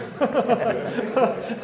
ハハハハ！